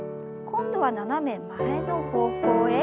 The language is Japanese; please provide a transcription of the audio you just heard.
今度は斜め前の方向へ。